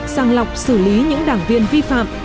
sàng lọc xử lý những đảng viên vi phạm